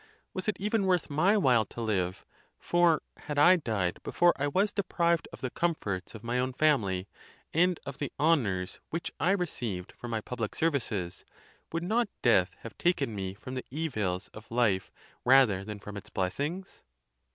Was it even worth my while to live, for, had I died before I was deprived of the comforts of my own family, and of the honors which I received for my public services, would not death have taken me from the evils of life rather than from its blessings